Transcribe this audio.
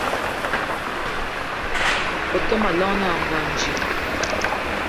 Be te ma llong na Ngonj